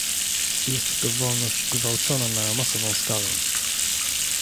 Jest to wolność gwałcona na masową skalę